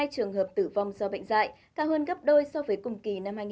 hai mươi hai trường hợp tử vong do bệnh dạy cao hơn gấp đôi so với cùng kỳ năm hai nghìn hai mươi ba